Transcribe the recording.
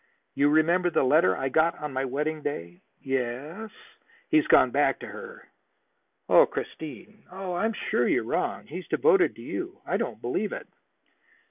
You remember the letter I got on my wedding day?" "Yes." "He's gone back to her." "Christine! Oh, I am sure you're wrong. He's devoted to you. I don't believe it!"